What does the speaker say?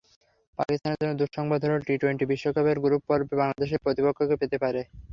পাকিস্তানের জন্য দুঃসংবাদ হলো, টি-টোয়েন্টি বিশ্বকাপের গ্রুপ পর্বে বাংলাদেশকেই প্রতিপক্ষ পেতে পারে পাকিস্তান।